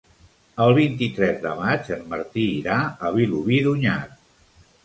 El vint-i-tres de maig en Martí irà a Vilobí d'Onyar.